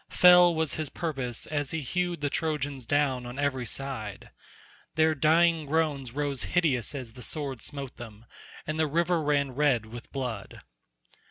Fell was his purpose as he hewed the Trojans down on every side. Their dying groans rose hideous as the sword smote them, and the river ran red with blood.